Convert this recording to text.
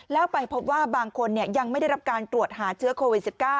แล้วไปพบว่าบางคนยังไม่ได้รับการตรวจหาเชื้อโควิด๑๙